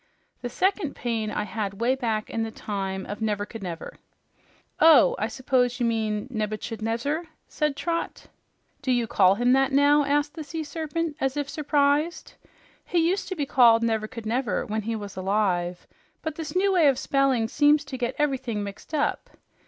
The second pain I had way back in the time of Nevercouldnever." "Oh, I s'pose you mean Nebuchadnezzar," said Trot. "Do you call him that now?" asked the Sea Serpent as if surprised. "He used to be called Nevercouldnever when he was alive, but this new way of spelling seems to get everything mixed up.